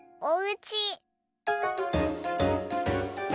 おうち。